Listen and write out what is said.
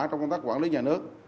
trong công tác quản lý nhà nước